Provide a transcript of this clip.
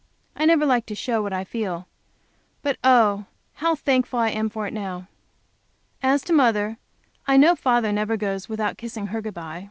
I never like to show what I feel. But, oh! how thankful I am for it now. As to mother, I know father never goes out without kissing her good by.